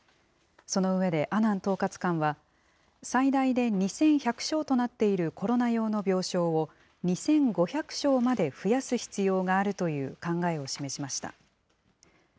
その上で阿南統括官は、最大で２１００床となっているコロナ用の病床を、２５００床まで増やす必要があるという考えを示しました。